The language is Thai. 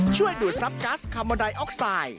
ช่วยดูดทรัพย์กัสคาร์โมไดออกไซด์